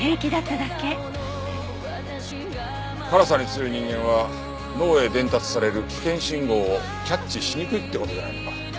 辛さに強い人間は脳へ伝達される危険信号をキャッチしにくいって事じゃないのか？